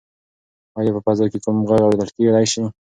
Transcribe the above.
ایا په فضا کې کوم غږ اورېدل کیدی شي؟